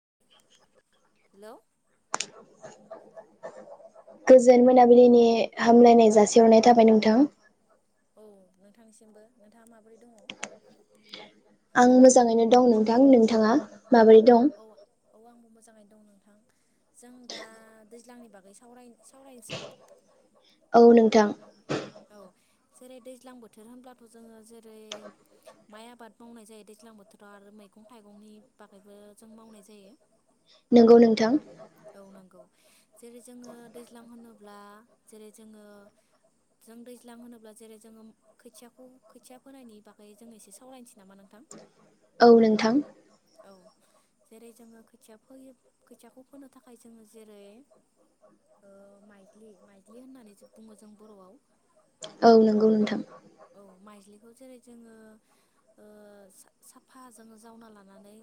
[inaudible] हेल' गोजोन मोनाबिलिनि हामलायनाय जासिहरनाय थाबाय नोंथां औ नोंथांनिसिमबो नोंथाङा माबोरै दङ? आं मोजाङैनो दं नोंथां नोंथा माबोरै दं? औ औ आंबो मोजाङैनो दं नोंथां जों दा दैज्लांनि बागै सावराय सावरायनोसै औ नोंथां औ जेरै दैज्लां बोथोर होनब्लाथ' जोङो जेरै माइ आबाद मावनाय जायो दैज्लां बोथोराव आरो मै गं थाइगंनि बागैबो जों मावनाय जायो नंगौ नोंथां औ नोंगौ जेरै जोङो दैज्लां होनो ब्ला जेरै जोङो जों दैज्लां होनोब्ला जेरै जोङो खोथियाखौ खोथिया फोनायनि बागै जों एसे सावरायनोसै नामा नोंथां? औ नोंथां औ जेरै जोङो खोथिया फोयो खोथियाखौ फोनो थाखाय जोङो जेरै ओ माइज्लि माइज्लि होननानै बुङो जों बर'आव औ नंगौ नोंथां औ माइज्लिखौ जेरै जोङो ओ साफा जोङो जावना लानानै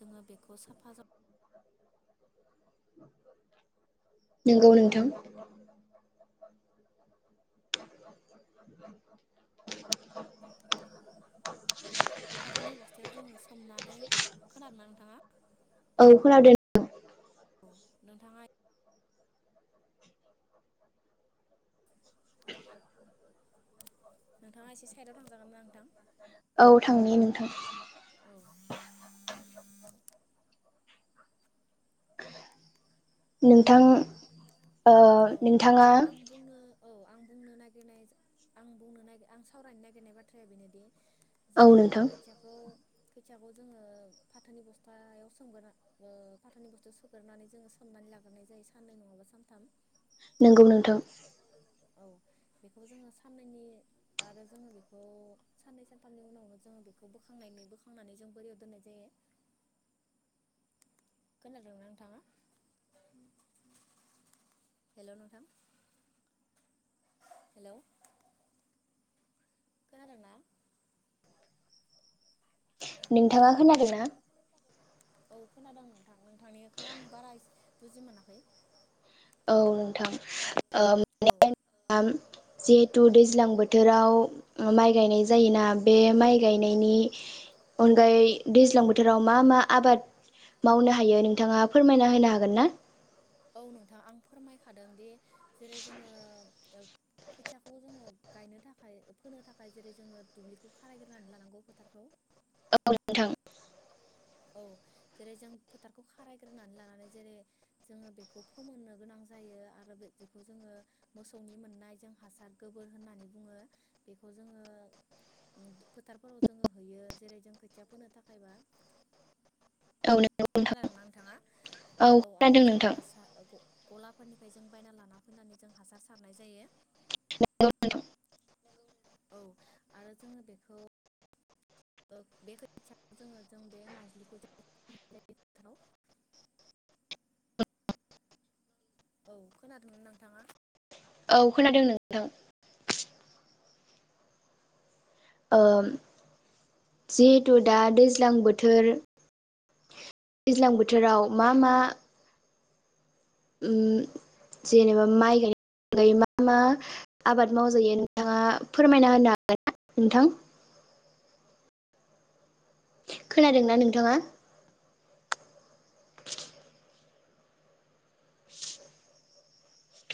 जोङो बेखौ साफा जाव नंगौ नोंथां [inaudible] फाथोनि बस्थायाव जोङो सो सोमनानै खोनादोंना नोंथाङा औ खोनादों औ नोंथाङा [inaudible] नोंथाङा एसे साइदआव थांजागोन ना नोंथां औ थांनि औ नोंथां थांनि औ नोंथां ओ औ नोंथाङा आं बुंनो औ आं बुंनो नागिरनाय आं बुंनो ना आं सावरायनो नागिरनाय बाथ्राया बेनोदि औ जेरै जोङो नोंथां खोथियाखौ खोथियाखौ जोङो फाथोनि बस्थायाव सोमगोरोना ओ फाथोनि बस्थायाव सोगोरानै जोङो सोमनानै लाग्रोनाय जायो साननै नङाबा सानथाम नंगौ नोंथां औ बेखौ जोङो साननैनि आरो जोङो बेखौ साननै सानथामनि उनावनो जोङो बेखौ बोखांनायनि बोखांनानै जों बोरियाव दोननाय जायो। खोनादोंना नोंथाङा हेल' नोंथां हेलौ खोनादों ना? हेलौ नोंथाङा खोनादों ना? औ खोनादों नोंथां नोंथांनिखौ आं बारासे बुजि मोनाखै औ नों थां ओ औ-औ माने जिहेतु दैज्लां बो थोराव माइ गायनाय जायोना बे माइ गायनायनि अनगायै दैज्लां बोथोराव मा मा आबाद मावनो हायो नोंथाङा फोरमायना होनो हागोन ना? औ नोंथाङा आं फोरमायखादों दि जेरै जोङो ओ खोथियाखौ जोङो गायनो थाखाय फोनो थाखाय जेरै जोङो दुब्लिखौ खारायग्रोनानै लानांगौ फोथारखौ औ नोंथां औ जेरै जों फोथारखौ खारायग्रोनानै लानानै जेरै जोङो बेखौ फोमोननो गोनां जायो आरो बे बेखौ जोङो मोसौनि मोननाय जों हासार गोबोर होननानै बुङो बेखौ जोङो ओम फोथारफोराव जोङो हैयो जेरै जों खोथिया फोनो थाखायबा औ नंगौ नोंथां खोनादों ना नोंथाङा औ आरो खोनादों जोङो नोंथां हासार ओ गलाफोरनिफ्राय जों बायना लाना फैनानै जों हासार सारनाय जायो। नंगौ नोंथां औ आरो जोङो बेखौ बे खोथियाखौ जोङो जों बे माइज्लिखौ [unintelligible] औ खोनादोंना नोंथाङा औ खोनादों नोंथां ओ जिहेथु दा दैज्लां बोथोर दैज्लां बोथोराव मा मा ओम जेनेबा माइ गाय मा मा आबाद मावजायो नोंथाङा फोरमायना होनो हागोन ना नोंथां खोनादोंना नोंथाङा